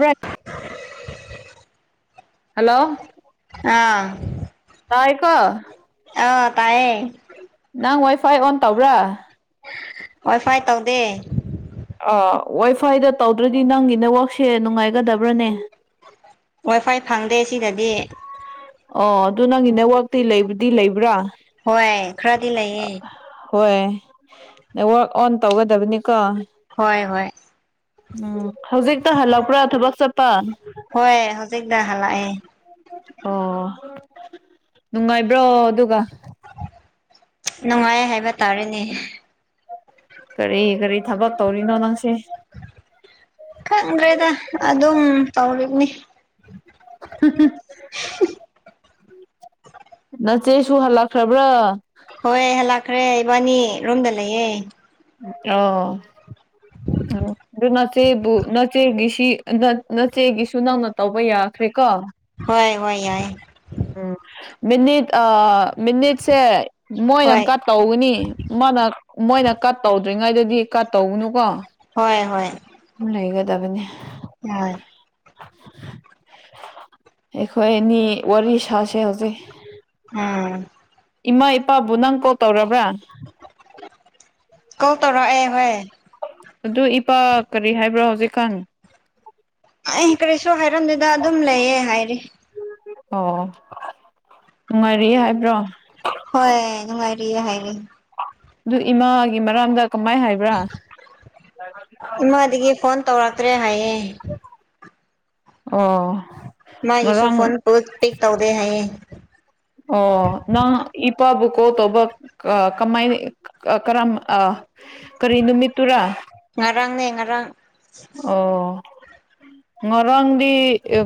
ꯋꯦꯟ hello ꯑꯥ ꯄꯥꯏꯀꯣ ꯑꯥ ꯇꯥꯏꯌꯦ ꯅꯪ ꯋꯥꯏ ꯐꯥꯏ ꯑꯣꯟ ꯇꯧꯕ꯭ꯔꯥ ꯋꯥꯏ ꯐꯥꯏ ꯇꯧꯗꯦ ꯑ ꯋꯥꯏ ꯐꯥꯏꯗ ꯇꯧꯗ꯭ꯔꯗꯤ ꯅꯪꯒꯤ ꯅꯦꯋꯥꯛꯁꯦ ꯅꯨꯡꯉꯥꯏꯒꯗꯕ꯭ꯔꯅꯦ ꯋꯥꯏ ꯐꯥꯏ ꯐꯪꯗꯦ ꯁꯤꯗꯗꯤ ꯑꯣ ꯑꯗꯨ ꯅꯪꯒꯤ ꯅꯦꯠꯋꯔꯛꯇꯤ ꯂꯩꯕꯗꯤ ꯂꯩꯕ꯭ꯔꯥ ꯍꯣꯏ ꯈꯔꯗꯤ ꯂꯩꯌꯦ ꯍꯣꯏꯌꯦ ꯅꯦꯋꯔꯛ ꯑꯣꯟ ꯇꯧꯒꯗꯕꯅꯤ ꯀ ꯍꯣꯏ ꯍꯣꯏ ꯎꯝ ꯍꯧꯖꯤꯛꯇ ꯍꯜꯂꯛꯄ꯭ꯔꯥ ꯊꯕꯛ ꯆꯠꯄ ꯍꯣꯏ ꯍꯧꯖꯤꯛꯇ ꯍꯂꯛꯑ ꯑꯣ ꯅꯨꯡꯉꯥꯏꯕ꯭ꯔꯣ ꯑꯗꯨꯒ ꯅꯨꯡꯉꯥꯏ ꯍꯥꯏꯕ ꯇꯥꯔꯦꯅꯦ ꯀꯔꯤ ꯀꯔꯤ ꯊꯕꯛ ꯇꯧꯔꯤꯅꯣ ꯅꯪꯁꯦ ꯈꯪꯈ꯭ꯔꯦꯗ ꯑꯗꯨꯝ ꯇꯧꯔꯤꯕꯅꯤ ꯅ ꯏꯆꯦ ꯁꯨ ꯍꯜꯂꯛꯈ꯭ꯔꯕ꯭ꯔꯥ ꯍꯣꯏ ꯍꯜꯂꯛꯈ꯭ꯔꯦ ꯏꯕꯥꯅꯤ ꯔꯣꯝꯗ ꯂꯩꯌꯦ ꯑꯣ ꯎ ꯆꯦꯕꯨ ꯅꯆꯦꯒꯤꯁꯤ ꯅꯆꯦꯒꯤꯁꯨ ꯅꯪꯅ ꯇꯧꯕ ꯌꯥꯈ꯭ꯔꯦ ꯀꯣ ꯍꯣꯏ ꯍꯣꯏ ꯌꯥꯏ ꯎꯝ ꯃꯅꯤ ꯑ ꯃꯤꯅꯤꯠꯁꯦ ꯃꯣꯏꯅ ꯍꯣꯏ ꯀꯠ ꯇꯧꯒꯅꯤꯅ ꯃꯣꯏꯅ ꯀꯠ ꯇꯧ ꯇ꯭ꯔꯤꯉꯩꯗꯗꯤ ꯀꯥ ꯇꯧꯒꯅꯨꯀꯣ ꯍꯣꯏ ꯍꯣꯏ ꯂꯩꯒꯗꯕꯅꯤ ꯑ ꯑꯩꯈꯣꯏ ꯑꯅꯤ ꯋꯥꯔꯤ ꯁꯥꯁꯦ ꯍꯧꯖꯤꯛ ꯎꯝ ꯏꯃꯥ ꯏꯄꯥꯕꯨ ꯅꯪ ꯀꯣꯜ ꯇꯧꯔꯕ꯭ꯔꯥ ꯇꯔꯛꯑꯦ ꯍꯣꯏ ꯑꯗꯨ ꯏꯄꯥ ꯀꯔꯤ ꯍꯥꯏꯕ꯭ꯔꯣ ꯍꯧꯖꯤꯛꯀꯥꯟ ꯑꯩ ꯀꯔꯤꯁꯨ ꯍꯥꯏꯔꯝꯗꯦꯗ ꯑꯗꯨꯝ ꯂꯩꯌꯦ ꯍꯥꯏꯔꯤ ꯑꯣ ꯅꯨꯡꯉꯥꯏꯔꯤ ꯍꯥꯏꯕ꯭ꯔꯣ ꯅꯨꯡꯉꯥꯏꯔꯤꯌꯦꯦ ꯍꯥꯏꯔꯤ ꯑꯗꯨ ꯏꯃꯥꯒꯤ ꯃꯔꯝꯗ ꯀꯃꯥꯏ ꯍꯥꯏꯕ꯭ꯔꯥ ꯏꯃꯥꯗꯒꯤ ꯐꯣꯟ ꯇꯧꯔꯛꯇ꯭ꯔꯦ ꯍꯥꯏꯌꯦꯦ ꯑꯣ ꯃꯥ ꯌꯁꯣ ꯉꯔꯥꯡ ꯐꯣꯟꯣꯟ ꯄꯨ ꯄꯤꯛ ꯇꯧꯗꯦ ꯍꯥꯏꯌꯦ ꯑꯣ ꯅꯪ ꯏꯄꯥꯕꯨ ꯀꯣ ꯇꯧꯕ ꯀꯃꯥꯏꯅ ꯀꯔꯝ ꯀꯔꯤ ꯅꯨꯃꯤꯠꯇꯔꯥ ꯉꯔꯥꯡꯅꯦ ꯉꯔꯥꯡ ꯑꯣ ꯉꯔꯝ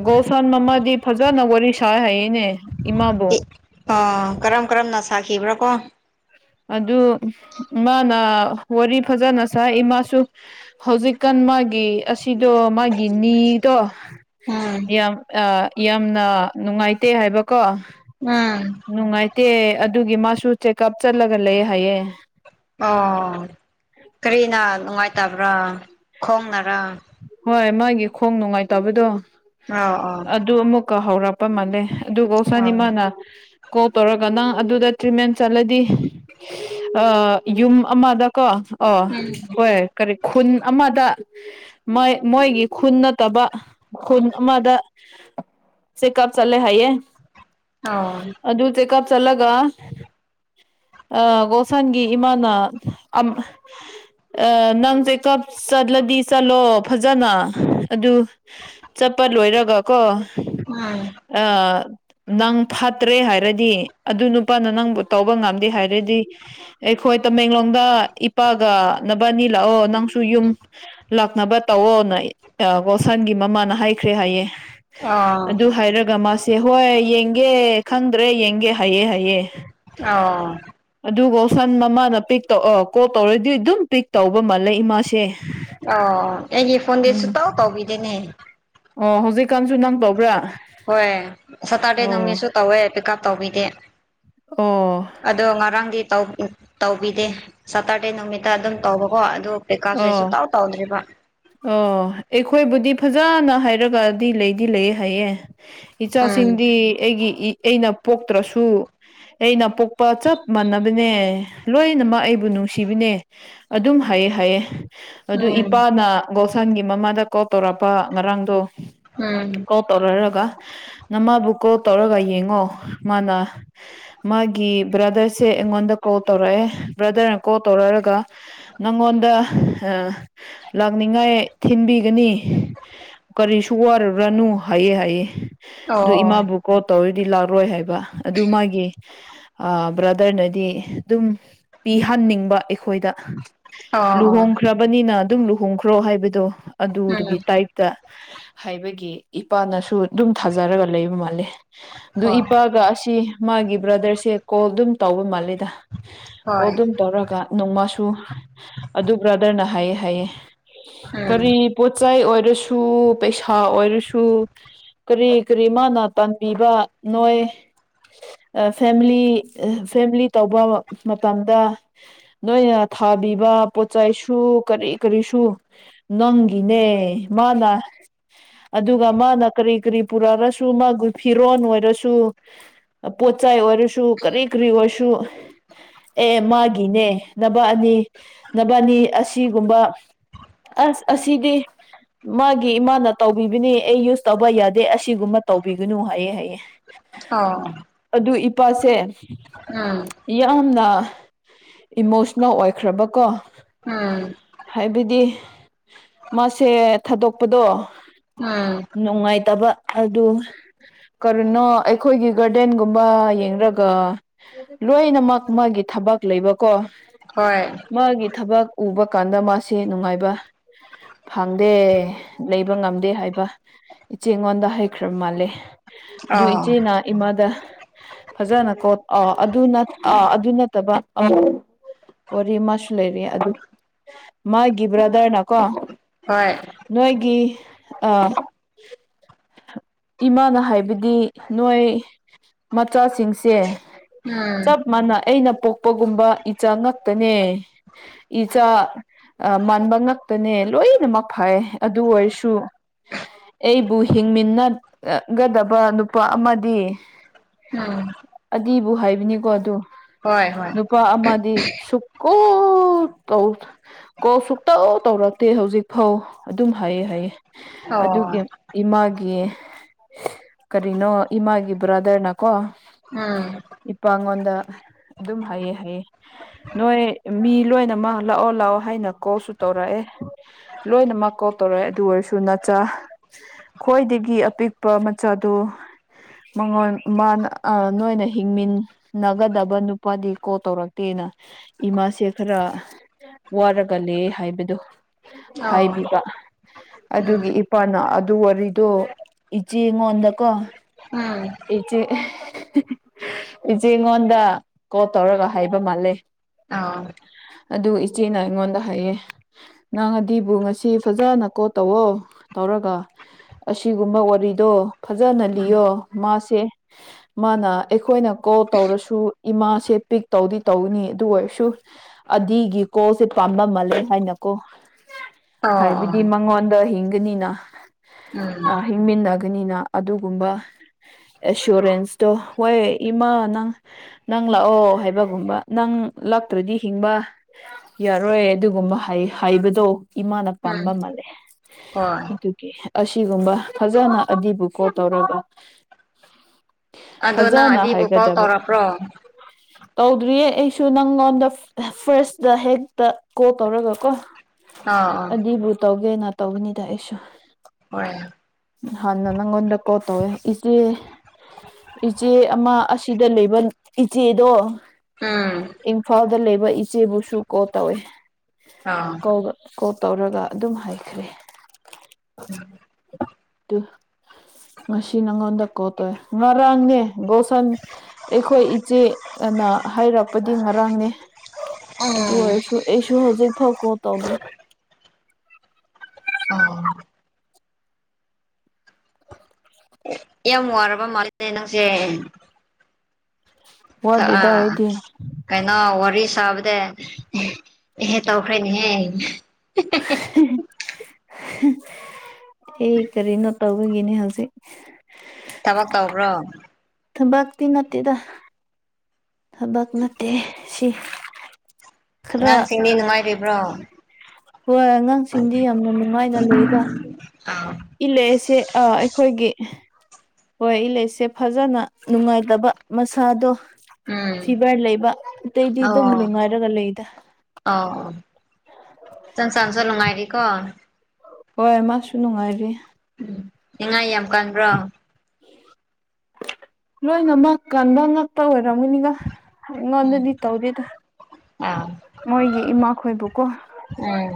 ꯒꯣꯁꯥꯟ ꯃꯃꯥꯗꯤ ꯐꯖꯅ ꯋꯥꯔꯤ ꯁꯥ ꯍꯥꯏꯌꯦꯅꯦ ꯏꯃꯥꯕꯨ ꯑꯣ ꯀꯔꯝ ꯀꯔꯝꯅ ꯁꯥꯈꯤꯕ꯭ꯔꯥ ꯀꯣ ꯑꯗꯨ ꯏꯃꯥꯅ ꯋꯥꯔꯤ ꯐꯖꯅ ꯁꯥꯏ ꯏꯃꯥꯁꯨ ꯍꯧꯖꯤꯛꯀꯥꯟ ꯃꯥꯒꯤ ꯑꯁꯤꯗꯣ ꯃꯥꯒꯤ ꯅꯤꯗꯣ ꯎꯝ ꯌꯥꯝ ꯑ ꯌꯥꯝꯅ ꯅꯨꯡꯉꯥꯏꯇꯦ ꯍꯥꯏꯕꯀꯣ ꯎꯝ ꯇꯦ ꯑꯗꯨꯒꯤ ꯃꯥꯁꯨ ꯆꯦꯛꯑꯞ ꯆꯠꯂꯒ ꯂꯩ ꯍꯥꯏꯌꯦ ꯑꯣ ꯀꯔꯤꯅ ꯅꯨꯡꯉꯥꯏꯇꯕ꯭ꯔꯥ ꯈꯣꯡꯅꯔ ꯍꯣꯏ ꯃꯥꯒꯤ ꯈꯣꯡ ꯅꯨꯡꯉꯥꯏꯇꯕꯗꯣ ꯑꯥ ꯑꯥ ꯀ ꯍꯧꯔꯛꯄ ꯃꯥꯜꯂꯦ ꯑꯗꯨꯒ ꯆꯅꯤꯃꯥꯅ ꯀꯣꯜ ꯇꯧꯔꯒ ꯅꯪ ꯑꯗꯨꯗ ꯇ꯭ꯔꯤꯠꯃꯦꯟ ꯆꯠꯂꯗꯤ ꯌꯨꯝ ꯑꯃꯗꯀꯣ ꯑꯣ ꯎꯝ ꯍꯣꯏ ꯀꯔꯤ ꯈꯨꯟ ꯑꯃꯗ ꯃ ꯃꯣꯏꯒꯤ ꯈꯨꯟ ꯅꯠꯇꯕ ꯈꯨꯟ ꯑꯃꯗ ꯆꯦꯛꯀꯑꯞ ꯆꯠꯂꯦ ꯍꯥꯏꯌꯦꯦ ꯑꯣ ꯑꯗꯨ ꯆꯦꯛꯀꯑꯞ ꯆꯠꯂꯒ ꯑ ꯒꯣꯁꯥꯟꯒꯤ ꯏꯃꯥꯅ ꯑ ꯑ ꯅꯪꯁꯦꯀꯞ ꯆꯠꯂꯗꯤꯁꯂꯣ ꯑꯣ ꯐꯖꯅ ꯑꯗꯨ ꯆꯠꯄ ꯂꯣꯏꯔꯒ ꯀꯣ ꯎꯝ ꯑ ꯅꯪ ꯐꯠꯇ꯭ꯔꯦ ꯍꯥꯏꯔꯗꯤ ꯑꯗꯨ ꯅꯨꯄꯥꯅ ꯅꯪꯕꯨ ꯇꯧꯕ ꯉꯝꯗꯦ ꯍꯥꯏꯔꯗꯤ ꯑꯩꯈꯣꯏ ꯇꯃꯦꯡꯂꯣꯡꯗ ꯏꯄꯥꯒ ꯅꯕꯅꯤ ꯂꯥꯛꯑꯣ ꯅꯪꯁꯨ ꯌꯨꯝ ꯂꯥꯛꯅꯕ ꯇꯧꯑꯣꯅ ꯒꯣꯁꯟꯒꯤ ꯃꯃꯥꯅ ꯍꯥꯏꯈ꯭ꯔꯦ ꯍꯥꯏꯌꯦ ꯑꯣ ꯑꯗꯨ ꯍꯥꯏꯔꯒ ꯃꯥ ꯆꯦ ꯍꯣꯏ ꯌꯦꯡꯒꯦ ꯈꯪꯗ꯭ꯔꯦ ꯌꯦꯡꯒꯦ ꯍꯥꯑꯦ ꯍꯥꯑꯦ꯫ ꯑꯥꯎ- ꯁꯟ ꯃꯃꯥꯅ ꯄꯤꯛ ꯇꯧ ꯑꯣ ꯀꯣꯜ ꯇꯧꯔꯗꯤ ꯑꯗꯨꯝ ꯄꯤꯛ ꯇꯧꯕ ꯃꯥꯜꯂꯦ ꯏꯃꯥꯁꯦ꯫ ꯑꯣ ꯑꯩꯒꯤ ꯐꯣꯟꯗꯤ ꯎꯝ ꯁꯨꯛꯇꯧ ꯇꯧꯕꯤꯗꯦꯅꯦ꯫ ꯑꯣ ꯍꯧꯖꯤꯛꯀꯥꯟꯁꯨ ꯅꯪ ꯇꯧꯕ꯭ꯔꯥ ꯍꯣꯏ ꯁꯇꯔꯗꯦ ꯑꯣ꯫ ꯅꯨꯃꯤꯠꯁꯨ ꯇꯧꯋꯦ ꯄꯤꯛ ꯎꯞ ꯇꯧꯕꯤꯗꯦ ꯑꯣ ꯑꯗꯣ ꯉꯔꯥꯡꯗꯤ ꯇꯧ ꯎꯝ ꯇꯧꯕꯤꯗꯦ ꯁꯇꯔ ꯇꯩ ꯅꯨꯃꯤꯠꯇ ꯑꯗꯨꯝ ꯇꯧꯕꯀꯣ ꯑꯗꯨ ꯄꯦꯈꯥꯁꯦ ꯑꯣ ꯁꯨꯨꯛꯇꯥꯎ ꯇꯧꯗ꯭ꯔꯤꯕ ꯑꯣ ꯑꯩꯈꯣꯏꯕꯨꯗꯤ ꯐꯖꯅ ꯍꯥꯏꯔꯒꯗꯤ ꯂꯩꯗꯤ ꯂꯩꯌꯦ ꯍꯥꯏꯌꯦ ꯎꯝ ꯏꯆꯥꯁꯤꯡꯗꯤ ꯑꯩꯒꯤ ꯏ ꯑꯩꯅ ꯄꯣꯛꯇ꯭ꯔꯁꯨ ꯑꯩꯅ ꯄꯣꯛꯄ ꯆꯞ ꯃꯥꯟꯅꯕꯅꯦ ꯂꯣꯏꯅꯃꯛ ꯑꯩꯕꯨ ꯅꯨꯡꯁꯤꯕꯤꯅꯦ꯫ ꯑꯗꯨꯝ ꯍꯥꯏꯌꯦ ꯍꯥꯏꯌꯦ ꯑꯗꯨ ꯎꯝ ꯏꯄꯥꯅ ꯒꯣꯜꯁꯟꯒꯤ ꯃꯃꯥꯗ ꯀꯣꯜ ꯇꯧꯔꯛꯄ ꯉꯔꯥꯡꯗꯣ ꯎꯝ ꯀꯣꯜ ꯇꯧꯅꯔꯒ ꯅꯃꯥꯕꯨ ꯀꯣꯜ ꯇꯧꯔꯒ ꯌꯦꯡꯉꯣ ꯃꯥꯅ ꯃꯥꯒꯤ ꯕ꯭ꯔꯗꯔꯁꯦ ꯑꯩꯉꯣꯟꯗ ꯀꯣꯜ ꯇꯧꯔꯛꯑꯦ ꯑꯦ ꯕ꯭ꯔꯗꯔꯅ ꯀꯣꯜ ꯇꯧꯔꯔꯒ ꯅꯪꯉꯣꯟꯗ ꯍꯥ ꯅꯤꯡꯉꯥꯏ ꯊꯤꯟꯕꯤꯒꯅꯤ ꯀꯔꯤꯁꯨ ꯋꯥꯔꯨꯔꯅꯨ ꯍꯥꯏꯌꯦ ꯍꯥꯏꯌꯦ꯫ ꯑꯣ [inaudible] ꯗꯨ ꯑꯥ ꯕ꯭ꯔꯗꯔꯅꯗꯤ ꯑꯗꯨꯝ ꯄꯤꯍꯟꯅꯤꯡꯕ ꯑꯩꯈꯣꯏꯗ꯫ ꯑꯣ ꯂꯨꯍꯣꯡꯈ꯭ꯔꯕꯅꯤꯅ ꯑꯗꯨꯝ ꯂꯨꯍꯣꯡꯈ꯭ꯔꯣ ꯍꯥꯏꯕꯗꯣ ꯑꯣ ꯑꯣ ꯑꯗꯨꯗꯨꯒꯤ ꯎꯝ ꯇꯥꯏꯞꯇ꯫ ꯍꯥꯏꯕꯒꯤ ꯏꯄꯥꯅꯁꯨ ꯗꯨꯝ ꯊꯥꯖꯔꯒ ꯂꯩꯕ ꯃꯥꯂꯦ ꯗꯨ ꯍꯣꯏ ꯏꯄꯥꯒ ꯑꯁꯤ ꯃꯥꯒꯤ ꯕ꯭ꯔꯗꯔꯁꯦ ꯀꯣꯜ ꯑꯗꯨꯝ ꯇꯧꯕ ꯃꯥꯜꯂꯦ ꯇ ꯀꯣꯜ ꯗꯨꯝ ꯍꯣꯏ ꯇꯧꯔꯒ ꯅꯣꯡꯃꯁꯨ ꯑꯗꯨ ꯕ꯭ꯔꯗꯔꯅ ꯍꯥꯌꯦ ꯍꯥꯌꯦ ꯎꯝ ꯀꯔꯤ ꯄꯣꯠꯆꯩ ꯑꯣꯢ ꯔꯁꯨ ꯄꯩꯁꯥ ꯑꯣꯏꯔꯁꯨ ꯀꯔꯤ ꯀꯔꯤ ꯃꯥꯅ ꯇꯥꯟꯕꯤꯕ ꯅꯣꯏ ꯑ ꯐꯦꯝꯂꯤ ꯑ ꯐꯦꯝꯂꯤ ꯇꯧꯕ ꯃꯇꯝꯗ ꯅꯣꯏꯅ ꯊꯥꯎ ꯑꯕꯤꯕ ꯄꯣꯠꯆꯥꯏꯁꯨ ꯀꯔꯤ ꯀꯔꯤꯁꯨ ꯅꯪꯒꯤꯅꯦ ꯃꯥꯅꯥ ꯑꯗꯨꯒ ꯃꯥꯅ ꯀꯔꯤ ꯀꯔꯤ ꯄꯨꯔꯑꯁꯨ ꯃꯥꯒꯨꯢ ꯐꯤꯔꯣꯟ ꯑꯣꯏꯔꯁꯨ ꯄꯣꯠꯆꯥꯏ ꯑꯣꯏꯔꯁꯨ ꯀꯔꯤ ꯀꯔꯤ ꯑꯣꯏꯁꯨ ꯑꯦ ꯃꯥꯒꯤꯅꯦ ꯅꯕ ꯑꯅꯤ ꯑꯦ ꯅꯕꯥꯅꯤ ꯑꯁꯤꯒꯨꯝꯕ ꯑꯁ ꯑꯁꯤꯗꯤ ꯃꯥꯒꯤ ꯏꯃꯥꯅ ꯇꯧꯕꯤꯕꯅꯦ ꯑꯩ ꯌꯨꯁ ꯇꯧꯕ ꯌꯥꯗꯦ ꯑꯁꯤꯒꯨꯝꯕ ꯇꯧꯕꯤꯒꯅꯨ ꯍꯥꯏꯌꯦ ꯍꯥꯌꯦ꯫ ꯑ ꯗꯨ ꯏꯄꯥꯁꯦ ꯌꯥꯝꯅ ꯑꯥ ꯏꯃꯣꯁꯅꯦꯜ ꯑꯣꯏꯈ꯭ꯔꯕꯀꯣ ꯎꯝ ꯍꯥꯏꯕꯗꯤ ꯃꯥꯁꯦ ꯊꯥꯗꯣꯛꯄꯗꯣ ꯎꯝ ꯇꯕ ꯑꯗꯨ ꯀꯔꯤꯅꯣ ꯑꯩꯈꯣꯏꯒꯤ ꯒꯔꯗꯦꯟꯒꯨꯝꯕ ꯌꯦꯡꯔꯒ ꯂꯣꯏꯅꯃꯛ ꯃꯥꯒꯤ ꯊꯕꯛ ꯂꯩꯕꯀꯣ ꯍꯣꯏ ꯃꯥꯒꯤ ꯊꯕꯛ ꯎꯕ ꯀꯥꯟꯗ ꯃꯥꯁꯦ ꯅꯨꯡꯉꯥꯏꯕ [inaudible] ꯐꯪꯗꯦ ꯂꯩꯕ ꯉꯝꯗꯦ ꯍꯥꯏꯕ ꯏꯆꯦꯉꯣꯟꯗ ꯍꯥꯢꯈ꯭ꯔ ꯃꯥꯜꯂꯦ꯫ ꯑꯗꯨ ꯑꯥ ꯏꯆꯦꯅ ꯏꯃꯥꯗ ꯐꯖꯅ ꯀꯣꯠ ꯑ ꯑꯗꯨ ꯅꯠ ꯑꯥ ꯑꯗꯨ ꯅꯠꯇꯕ [inaudible] ꯋꯥꯔꯤ ꯃꯥꯁꯨ ꯂꯩꯔꯤ ꯑꯗꯨ ꯃꯥꯒꯤ ꯕ꯭ꯔꯗꯔꯅ ꯀꯣ ꯍꯣꯏ ꯅꯣꯏꯒꯤ ꯑ ꯏꯃꯥꯅ ꯍꯥꯏꯕꯗꯤ ꯅꯣꯏ ꯃꯆꯥꯁꯤꯡꯁꯦ ꯎꯝ ꯆꯞ ꯃꯅ ꯑꯩꯅ ꯄꯣꯛꯄꯒꯨꯝꯕ ꯏꯆꯥ ꯉꯛꯇꯅꯦ ꯏꯆꯥ ꯑ ꯃꯥꯟꯕ ꯉꯛꯇꯅꯦ ꯂꯣꯏꯅꯃꯛ ꯐꯩ ꯑꯗꯨ ꯑꯣꯏꯔꯁꯨ ꯑꯩꯕꯨ ꯍꯤꯡꯃꯤꯟꯅ ꯒꯗꯕ ꯅꯨꯄꯥ ꯑꯃꯗꯤ ꯎꯝ ꯑꯅꯤꯕꯨ ꯍꯥꯏꯕꯅꯤꯀꯣ ꯑꯗꯨ ꯍꯣꯏ ꯍꯣꯏ ꯅꯨꯄꯥ ꯑꯃꯗꯤ ꯁꯨꯀꯣꯇꯧ ꯀꯣꯜ ꯁꯨꯛꯇꯧ ꯇꯧꯔꯛꯇꯦ ꯍꯧꯖꯤꯛ ꯐꯥꯎ ꯑꯗꯨ ꯍꯥꯏꯌꯦ ꯍꯥꯏꯌꯦ ꯑꯣ ꯑꯗꯨꯒꯤ ꯏꯃꯥꯒꯤ ꯀꯔꯤꯅꯣ ꯏꯃꯒꯤ ꯏꯕ꯭ꯔꯥꯗꯔꯅ ꯀꯣ ꯎꯝ ꯏꯄꯉꯣꯟꯗ ꯑꯗꯨꯝ ꯍꯩꯌꯦ ꯍꯩꯌꯦ ꯅꯣꯏ ꯃꯤ ꯂꯣꯏꯅꯃꯛ ꯂꯥꯛꯑꯣ ꯂꯥꯛꯑꯣ ꯍꯥꯏꯅ ꯀꯣꯜꯁꯨ ꯇꯧꯔꯛꯑꯦ ꯂꯣꯏꯅꯃꯛ ꯀꯣ ꯇꯧꯔꯛꯦ ꯑꯗꯨ ꯑꯣꯏꯔꯁꯨ ꯅꯆꯥ ꯈ꯭ꯣꯏꯗꯒꯤ ꯑꯄꯤꯛ ꯄꯥ ꯃꯆꯥꯗꯨ ꯃꯉꯣꯟ ꯃꯥꯅ ꯑ ꯅꯣꯏꯅ ꯍꯤꯡꯃꯤꯟꯅꯒꯗꯕ ꯅꯨꯄꯥꯗꯤ ꯀꯣ ꯇꯧꯔꯛꯇꯦꯅ ꯗ ꯏꯃꯥꯁꯦ ꯈꯔ ꯋꯥꯔꯒꯅꯦ ꯍꯥꯏꯕꯗꯣ ꯑꯣ ꯍꯥꯏꯕꯤꯕ ꯎꯝ ꯑꯗꯨꯒꯤ ꯏꯄꯥꯅ ꯑꯗꯨ ꯋꯥꯔꯤꯗꯣ ꯏꯆꯦ ꯉꯣꯟꯗꯀꯣ ꯎꯝ ꯏꯆꯦ ꯏꯆꯦ ꯉꯣꯟꯗ ꯀꯣꯜ ꯇꯧꯔꯒ ꯍꯥꯏꯕ ꯃꯥꯜꯂꯦ ꯑꯣ ꯑꯗꯨ ꯏꯆꯦꯅ ꯑꯩꯉꯣꯟꯗ ꯍꯥꯏꯌꯦ ꯅꯪ ꯑꯗꯤꯕꯨ ꯉꯁꯤ ꯐꯖꯅ ꯀꯣꯜ ꯇꯧꯑꯣ ꯇꯧꯔꯒ ꯑꯁꯤꯒꯨꯝꯕ ꯑꯣꯠ ꯔꯤꯗꯣ ꯐꯖꯅ ꯎꯝ ꯂꯤꯌꯣ ꯃꯥꯁꯦ ꯃꯥꯅ ꯑꯩꯈꯣꯏꯅ ꯀꯣꯜ ꯇꯧꯔꯁꯨ ꯏꯃꯥꯁꯦ ꯄꯤꯛ ꯇꯧꯗꯤ ꯇꯧꯅꯤ ꯑꯗꯨ ꯑꯣꯏꯔꯁꯨ ꯑꯗꯤꯒꯤ ꯀꯣꯜꯁꯦ ꯄꯥꯝꯗꯤ ꯄꯥꯝꯕ ꯃꯜꯂꯦ ꯍꯥꯏꯅ ꯀꯣ ꯑꯣ ꯑꯣ ꯍꯥꯏꯕꯗꯤ ꯃꯉꯣꯟꯗ ꯍꯤꯡꯒꯅꯤꯅ ꯎꯝ ꯑ ꯍꯤꯡꯃꯤꯟꯅ ꯒꯥꯅꯤꯅ ꯑꯗꯨꯒꯨꯝꯕ ꯑꯦꯁꯨꯔꯦꯟꯁꯇꯨ ꯍꯣꯏ ꯏꯃꯥ ꯅꯪ ꯅ ꯅꯪ ꯂꯥꯛꯑꯣ ꯍꯥꯏꯕꯒꯨꯝꯕ ꯅꯪ ꯂꯥꯛꯇ꯭ꯔꯗꯤ ꯍꯤꯡꯕ ꯌꯥꯔꯣꯏ ꯑꯗꯨꯒꯨꯝꯕ ꯍꯥꯏ ꯍꯥꯏꯕꯗꯣ ꯏꯃꯥꯅ ꯎꯝ ꯄꯥꯝꯕ ꯃꯥꯜꯂꯦ ꯍꯣꯏ ꯑꯗꯨꯒꯤ ꯑꯁꯤꯒꯨꯝꯕ ꯐꯖꯅ ꯑꯗꯤꯕꯨ ꯀꯣ ꯇꯧꯔꯒ ꯑꯗꯣ ꯅꯪ ꯐꯖꯅ ꯑꯗꯤꯕꯨ ꯀꯣꯜ ꯍꯥꯏꯒꯗꯕ ꯇꯧꯔꯛꯄ꯭ꯔꯣ ꯇꯧꯗ꯭ꯔꯤꯌꯦ ꯑꯩꯁꯨ ꯅꯪꯉꯣꯟꯗ ꯐꯥꯔꯁꯇ ꯍꯦꯛꯇ ꯀꯣꯜ ꯇꯧꯔꯒ ꯀꯣ ꯑꯥ ꯑꯥ ꯑꯗꯤꯕꯨ ꯇꯧꯒꯦꯅ ꯇꯧꯒꯅꯤꯗ ꯑꯩꯁꯨ ꯍꯣꯏ ꯍꯥꯟꯅ ꯅꯪꯉꯣꯟꯗ ꯀꯣꯜ ꯇꯧꯌꯦ ꯏꯆꯦ ꯏꯆꯦ ꯑꯃ ꯑꯁꯤꯗ ꯂꯩꯕ ꯏꯆꯦꯗꯣ ꯎꯝ ꯏꯝꯐꯥꯜꯗ ꯂꯩꯕ ꯏꯆꯦꯕꯨꯁꯨ ꯀꯣ ꯇꯧꯋꯤ ꯑꯥ ꯀꯣꯜ ꯀꯣꯜ ꯇꯧꯔꯒ ꯑꯗꯨꯝ ꯍꯥꯏꯈ꯭ꯔꯦ ꯇꯨ ꯉꯁꯤ ꯅꯪꯉꯣꯟꯗ ꯀꯣꯜꯇꯣꯏ ꯉꯔꯥꯡꯅꯦ ꯒꯣꯁꯟ ꯑꯩꯈꯣꯏ ꯏꯆꯦ ꯑ ꯅ ꯍꯥꯏꯔꯛꯄꯗꯤ ꯉꯔꯥꯡꯅꯦ ꯑꯗꯨ ꯑꯣꯏꯔꯁꯨ ꯑꯩꯁꯨ ꯍꯧꯖꯤꯛ ꯐꯥꯎ ꯀꯣꯜ ꯇꯧꯗ꯭ꯔꯤ ꯑꯣ ꯌꯥꯝ ꯋꯥꯔꯕ ꯃꯥꯜꯂꯦꯅꯦ ꯅꯪꯁꯦ ꯋꯥꯗꯦꯗ ꯍꯑ ꯑꯩꯗꯤ ꯀꯩꯅꯣ ꯋꯥꯔꯤ ꯁꯥꯕꯗ ꯏꯍꯦ ꯑꯦꯍꯦ ꯇꯧꯈ꯭ꯔꯦꯅꯦꯍꯦ ꯑꯩ ꯀꯔꯤꯅꯣ ꯇꯧꯕꯒꯤꯅꯤ ꯍꯧꯖꯤꯛ ꯊꯕꯛ ꯇꯧꯕ꯭ꯔꯣ ꯇꯤ ꯅꯠꯇꯦꯗ ꯊꯕꯛ ꯅꯠꯇꯦ ꯁꯤ ꯈꯔ ꯑꯉꯥꯡꯁꯤꯡꯗꯤ ꯅꯨꯡꯉꯥꯏꯔꯤꯕ꯭ꯔꯣ ꯍꯣꯏ ꯑꯉꯥꯡꯁꯤꯡꯗꯤ ꯌꯥꯝꯅ ꯅꯨꯡꯉꯥꯏꯅ ꯂꯩꯗ ꯑꯥ ꯏꯜꯂꯛꯑꯁꯦ ꯑ ꯑꯩꯈꯣꯏꯒꯤ ꯍꯣꯏ ꯏꯂꯁꯦ ꯐꯖꯅ ꯅꯨꯡꯉꯥꯏꯇꯕ ꯃꯁꯥꯗꯣ ꯎꯝ ꯐꯤꯚꯔ ꯂꯩꯕ ꯑꯇꯩꯗꯤ ꯑꯗꯨꯝ ꯑꯣ ꯅꯨꯡꯉꯥꯏꯔꯒ ꯂꯩꯗ ꯆꯪꯁꯅꯁꯨ ꯅꯨꯡꯉꯥꯏꯔꯤꯀꯣ ꯍꯣꯏ ꯃꯥꯁꯨ ꯅꯨꯡꯉꯥꯏꯔꯤ ꯎꯝ ꯅꯤꯡꯉꯥꯏ ꯌꯥꯝ ꯀꯥꯟ꯭ꯔꯣ ꯂꯣꯏꯅꯃꯛ ꯀꯟꯕ ꯉꯛꯄ ꯑꯣꯏꯔꯝꯃꯅꯤꯒ ꯎꯝ ꯑꯩꯉꯣꯟꯗꯗꯤ ꯇꯧꯗꯦꯗ ꯑꯥ ꯃꯣꯏꯒꯤ ꯏꯃꯥ ꯈꯣꯏꯕꯨꯀꯣ ꯎꯝ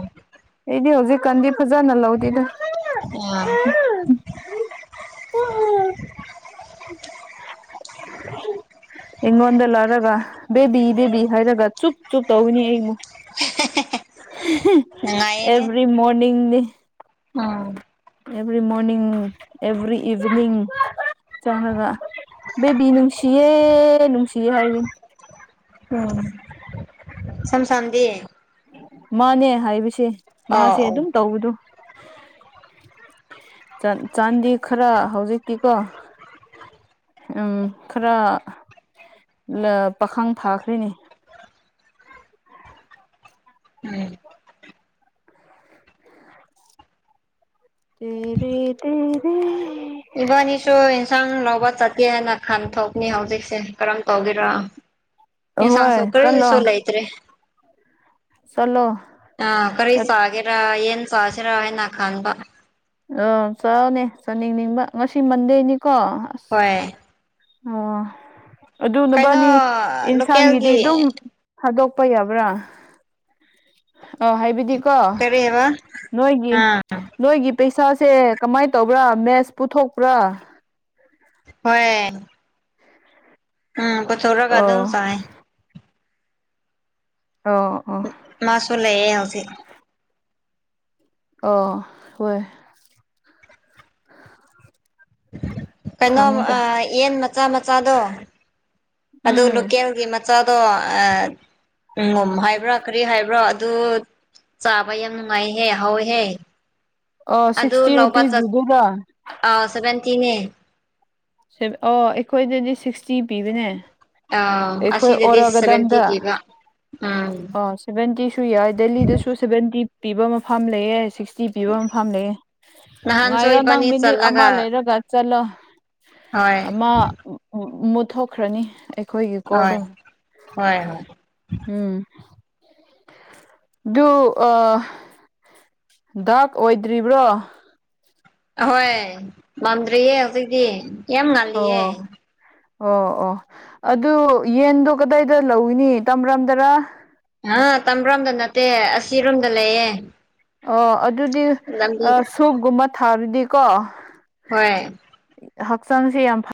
ꯏꯗꯤ ꯍꯧꯖꯤꯛꯀꯥꯟꯗꯤ ꯐꯖꯅ ꯂꯧꯗꯦꯗ ꯎ ꯑꯩꯉꯣꯟꯗ ꯂꯧꯔꯒ ꯕꯦꯕꯤ ꯕꯦꯕꯤ ꯍꯥꯏꯔꯒ ꯆꯨꯞ ꯆꯨꯞ ꯇꯧꯅꯤ ꯑꯩꯃꯨꯛ ꯅꯨꯡꯉꯥꯏꯌꯦꯍꯦ ꯑꯦꯕꯔꯤ ꯃꯣꯔꯅꯤꯡꯅꯤ ꯎꯝ ꯑꯦꯕ꯭ꯔꯤ ꯃꯣꯔꯅꯤꯡ ꯑꯦꯚꯔꯤ ꯏꯚꯅꯤꯡ ꯆꯪꯉꯒ ꯕꯤ ꯅꯨꯡꯁꯤꯌꯦ ꯅꯨꯡꯁꯤꯌꯦ ꯍꯥꯏꯔꯤꯡ ꯎꯝ ꯁꯝꯁꯥꯟꯗꯤ ꯃꯥꯅꯦ ꯍꯥꯏꯕꯁꯦ ꯃꯥꯁꯦ ꯑꯧ ꯑꯧ ꯑꯗꯨꯝ ꯇꯧꯕꯗꯣ ꯆꯥꯟꯗꯤ ꯈꯔ ꯍꯧꯖꯤꯛꯇꯤꯀꯣ ꯎꯝ ꯈꯔ ꯄꯥꯈꯪ ꯊꯥꯈ꯭ꯔꯦꯅꯤ [unintelligible] ꯎꯝ ꯇꯔ ꯇꯔ ꯏꯕꯅꯤꯁꯨ ꯍꯛꯆꯥꯡ ꯂꯥꯎꯧꯕ ꯆꯠꯀꯦ ꯍꯥꯏꯅ ꯈꯟꯊꯣꯛꯅꯤ ꯍꯧꯖꯤꯛꯁꯦ ꯀꯔꯝ ꯇꯧꯒꯦꯔꯣ ꯌꯦꯁ ꯁ ꯑꯍꯣꯏ ꯀꯔ ꯆꯠꯂꯣ ꯁꯣꯂꯇꯔꯤ ꯆꯠꯂꯣ ꯑ ꯈꯔꯤ ꯆꯥꯒꯦꯔ ꯌꯦꯟ ꯆꯖꯔ ꯍꯥꯏꯅ ꯈꯅꯕ ꯑ ꯆꯠꯅꯦ ꯆꯥꯅꯤꯡꯅꯤꯡꯕ ꯉꯁꯤ ꯃꯟꯗꯦꯅꯤꯀꯣ ꯑꯁ ꯍꯣꯏ ꯑꯣ ꯀꯩꯅꯣ ꯑꯗꯨꯅꯕꯅꯤ ꯌꯦꯟꯁꯥꯡꯒꯤꯗꯤ ꯂꯣꯀꯦꯜꯒꯤ ꯑꯗꯨꯝ ꯊꯥꯗꯣꯛ ꯑꯄꯕ꯭ꯔꯥ ꯑꯧ ꯍꯥꯏꯕꯗꯤꯀꯣ ꯀꯔꯤꯕ ꯅꯣꯏꯒꯤ ꯑꯥ ꯅꯣꯏꯒꯤ ꯄꯩꯁꯥꯁꯦ ꯀꯃꯥꯏꯅ ꯇꯧꯕ꯭ꯔꯥ ꯃꯦꯠꯁ ꯄꯨꯊꯣꯛꯄ꯭ꯔꯥ ꯍꯣꯏ ꯎꯝ ꯀꯊꯧꯔ ꯀ ꯑ ꯑꯗꯨꯝ ꯁꯥꯑ ꯑꯣ ꯑꯣ ꯁꯤ ꯑ ꯍꯣꯏ ꯀꯩꯅꯣ ꯈꯪꯉꯤꯗ ꯌꯦꯟ ꯃꯆꯥ ꯃꯆꯥꯗꯣ ꯑꯗꯨ ꯎꯝ ꯂꯣꯀꯦꯜꯒꯤ ꯃꯆꯥꯗꯣꯝ ꯍꯥꯏꯕ꯭ꯔꯥ ꯀꯔꯤ ꯍꯥꯏꯕ꯭ꯔꯥ ꯑꯗꯨ ꯆꯥꯕ ꯌꯥꯝ ꯅꯨꯡꯉꯥꯏꯍꯦ ꯍꯥꯎꯋꯦꯍꯦ ꯑꯣ ꯑꯗꯨ ꯁꯤꯛꯁꯇꯤ ꯂꯥꯛꯧꯕ ꯆ ꯔꯨꯄꯤꯁꯀꯤꯗꯨꯔ ꯁꯚꯦꯟꯇꯤꯅꯦ ꯑꯣ ꯑꯩꯈꯣꯏꯗꯗꯤ ꯁꯤꯛꯁꯇꯤ ꯄꯤꯕꯅꯦ ꯑꯥ ꯑꯩꯈꯣꯏ ꯑꯁꯤꯗꯗꯤ ꯁꯚꯦꯟꯇꯤ ꯑꯣꯔꯛꯒꯗꯝꯗ ꯄꯤꯕ ꯎꯝ ꯑꯣ ꯁꯚꯦꯟꯇꯤ ꯁꯨ ꯌꯥꯏ ꯗꯦꯜꯂꯤꯗꯁꯨ ꯁꯚꯦꯟꯇꯤ ꯄꯤꯕ ꯃꯐꯝ ꯂꯩ ꯁꯤ ꯇꯤ ꯄꯤꯕ ꯑꯃ ꯐꯝ ꯂꯩꯦ ꯅꯍꯥꯟꯁꯨ ꯉꯥꯏꯌꯣ ꯅꯪ ꯏꯕꯥꯅꯤ ꯃꯤꯅꯤꯠ ꯑꯃ ꯆꯠꯂꯒ ꯂꯩꯔꯒ ꯆꯠꯂꯣ ꯍꯣꯏ ꯑꯃ ꯃꯨꯠꯊꯣꯛꯈ꯭ꯔꯅꯤ ꯑꯩꯈꯣꯏꯒꯤ ꯍꯣꯏ ꯀꯗ ꯍꯣꯏ ꯍꯣꯏ ꯎꯝ ꯑ ꯗꯥꯛ ꯑꯣꯏꯗ꯭ꯔꯤꯕꯕ꯭ꯔꯣ ꯑꯍꯣꯏ ꯃꯥꯟꯗ꯭ꯔꯤꯌꯦ ꯍꯧꯖꯤꯛꯛꯇꯤ ꯌꯥꯝ ꯉꯜꯂꯤꯌꯦ ꯑꯣ ꯑꯣ ꯑꯣ ꯑꯗꯨ ꯌꯦꯟꯗꯣ ꯀꯗꯥꯏꯗ ꯂꯧꯏꯤꯅꯤ ꯇꯝꯔꯝꯗꯔ ꯑ ꯇꯝꯔꯣꯝꯗ ꯅꯠꯇꯦ ꯑꯁꯤꯔꯣꯝꯗ ꯂꯩꯌꯦ ꯑꯣ ꯑꯗꯨꯗꯤ ꯂꯝꯕꯤꯗ ꯁꯣꯞꯒꯨꯝꯕ ꯊꯥꯔꯨꯗꯤꯀꯣ ꯍꯣꯏ ꯍꯛꯆꯥꯡꯁ ꯌꯥꯝ ꯐ